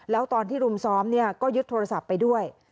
แล้วตอนที่รุมซ้อมก็ยึดโทรศัพท์ไปด้วย